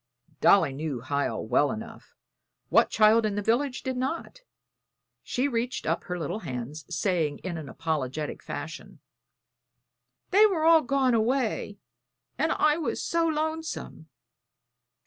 Dolly knew Hiel well enough what child in the village did not? She reached up her little hands, saying in an apologetic fashion: "They were all gone away, and I was so lonesome!"